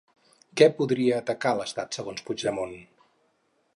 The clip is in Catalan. Què podria atacar l'estat segons Puigdemont?